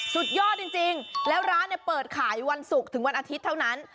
สุดยอดจริงแล้วร้านเนี่ยเปิดขายวันศุกร์ถึงวันอาทิตย์เท่านั้น